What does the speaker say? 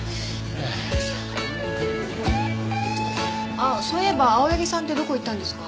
ああそういえば青柳さんってどこ行ったんですか？